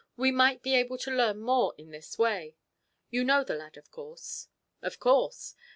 We might be able to learn more in this way. You know the lad, of course?" "Of course.